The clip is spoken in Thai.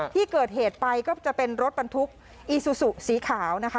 ที่เกิดเหตุไปก็จะเป็นรถบรรทุกอีซูซูสีขาวนะคะ